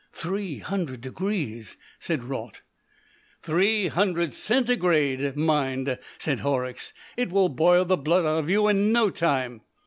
"Three hundred degrees!" said Raut. "Three hundred centigrade, mind!" said Horrocks. "It will boil the blood out of you in no time."